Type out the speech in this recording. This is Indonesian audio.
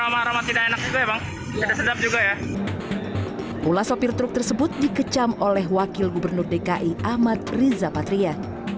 pula sopir truk tersebut dikecam oleh wakil gubernur dki ahmad riza patria